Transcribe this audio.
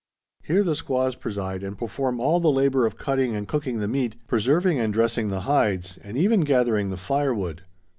Here the squaws preside and perform all the labor of cutting and cooking the meat, preserving and dressing the hides, and even gathering the firewood.